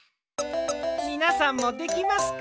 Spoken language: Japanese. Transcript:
みなさんもできますか？